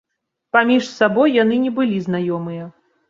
Паміж сабой яны не былі знаёмыя.